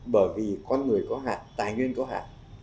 bởi vì con người có hạt tài nguyên có hạn